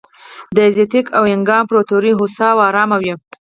د ازتېک او اینکا امپراتورۍ هوسا او ارامه وې.